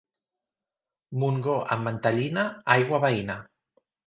Montgó amb mantellina, aigua veïna.